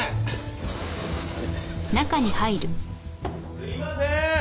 すいませーん！